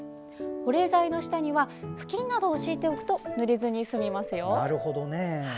保冷剤の下には布巾などを敷いておくとぬれずに済みますよ。